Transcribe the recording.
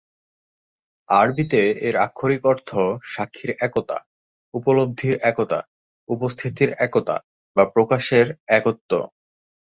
আরবিতে এর আক্ষরিক অর্থ "সাক্ষীর একতা", "উপলব্ধির একতা", "উপস্থিতির একতা" বা "প্রকাশের একত্ব"।